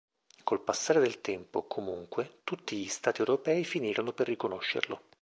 Col passare del tempo, comunque, tutti gli stati europei finirono per riconoscerlo.